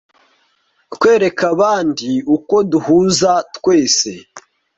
kwereka abandi uko duhuza twese